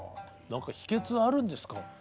何か秘けつはあるんですか？